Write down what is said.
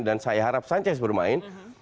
dan saya harap sanchez bermain